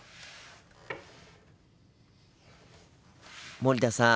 森田さん